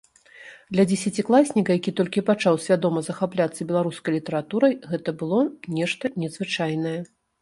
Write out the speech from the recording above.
Для дзесяцікласніка, які толькі пачаў свядома захапляцца беларускай літаратурай, гэта было нешта незвычайнае.